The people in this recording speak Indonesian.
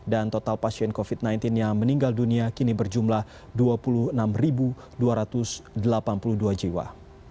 dan total pasien covid sembilan belas yang meninggal dunia kini berjumlah dua puluh enam dua ratus delapan puluh dua jiwa